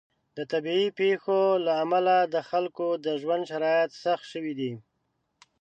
د طبیعي پیښو له امله د خلکو د ژوند شرایط سخت شوي دي.